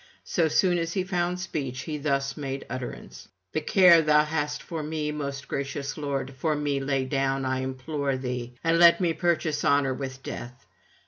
So soon as he found speech he thus made utterance: 'The care thou hast for me, most gracious lord, for me lay down, I implore thee, and let me purchase honour with death.